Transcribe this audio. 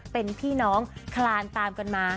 เป็นพี่น้องคลานตามกันมา